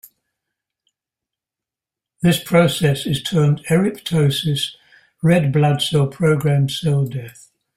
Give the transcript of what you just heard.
This process is termed eryptosis, red blood cell programmed cell death.